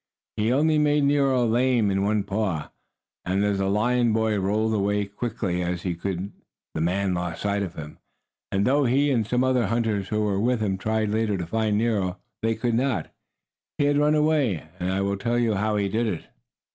He only made Nero lame in one paw, and as the lion boy rolled away as quickly as he could the man lost sight of him. And though he and some other hunters who were with him tried later to find Nero, they could not. He had run away; and I will tell you how he did it.